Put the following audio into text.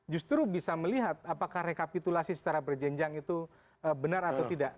justru bisa melihat apakah rekapitulasi secara berjenjang itu benar atau tidak